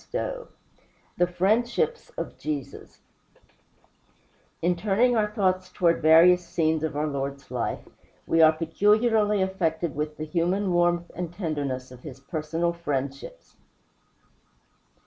XII THE FRIENDSHIPS OF JESUS In turning our thoughts toward various scenes of our Lord's life, we are peculiarly affected with the human warmth and tenderness of his personal friendships.